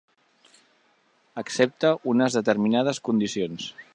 Accepta unes determinades condicions.